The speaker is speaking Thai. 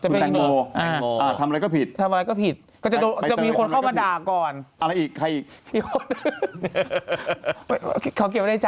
คุณแตกโมงทำอะไรก็ผิดทำอะไรก็ผิดคุณแตกโมงทำอะไรก็ผิด